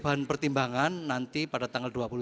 bahan pertimbangan nanti pada tanggal